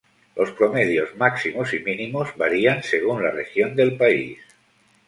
Los promedios máximos y mínimos varían según la región del país.